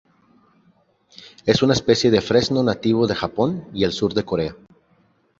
Es una especie de fresno nativo de Japón y el sur de Corea.